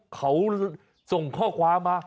เขาส่งข้อความมา